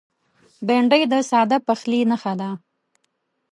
بېنډۍ د ساده پخلي نښه ده